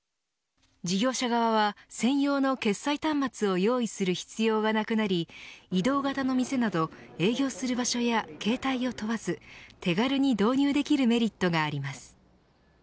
事業者側は専用の決済端末を用意する必要がなくなり移動型の店など営業する場所や形態を問わず手軽に導入できるメリットがあります。